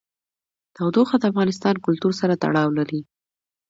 تودوخه د افغان کلتور سره تړاو لري.